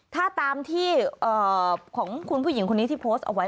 ถ้าตามที่ของคุณผู้หญิงคนนี้ที่โพสต์เอาไว้